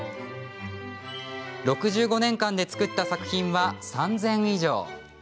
６５年間で作った作品は３０００以上。